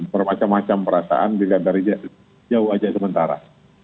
bermacam macam perasaan jauh aja sementara